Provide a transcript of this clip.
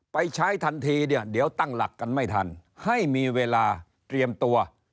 ไปใช้ทันทีเนี่ยเดี๋ยวตั้งหลักกันไม่ทันให้มีเวลาเตรียมตัว